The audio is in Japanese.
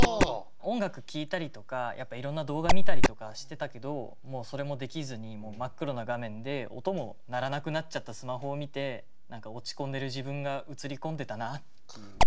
音楽聴いたりとかいろんな動画見たりとかしてたけどもうそれもできずに真っ黒な画面で音も鳴らなくなっちゃったスマホを見て何か落ち込んでる自分が映り込んでたなっていう。